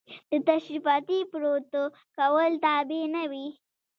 د تشریفاتي پروتوکول تابع نه وي.